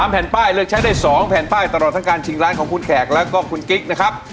แผ่นป้ายเลือกใช้ได้๒แผ่นป้ายตลอดทั้งการชิงร้านของคุณแขกแล้วก็คุณกิ๊กนะครับ